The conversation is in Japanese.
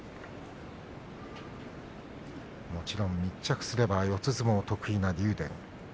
もちろん密着すれば四つ相撲得意の竜電。